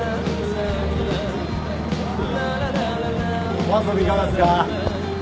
お遊びいかがっすか？